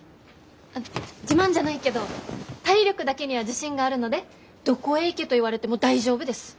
自慢じゃないけど体力だけには自信があるのでどこへ行けと言われても大丈夫です。